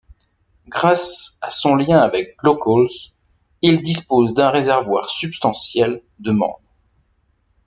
Grâce à son lien avec Glocals, il dispose d’un réservoir substantiel de membres.